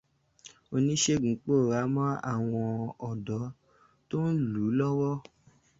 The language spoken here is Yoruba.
Oníṣègùn pòórá mọ́ àwọn ọ̀dọ́ tó ń lù ú lọ́wọ́.